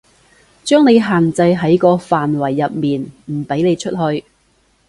將你限制喺個範圍入面，唔畀你出去